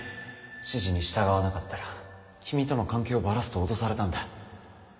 指示に従わなかったら君との関係をバラすと脅されたんだ。